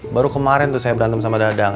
baru kemarin tuh saya berantem sama dadang